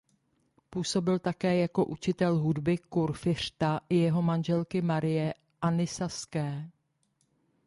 Působil také jako učitel hudby kurfiřta i jeho manželky Marie Anny Saské.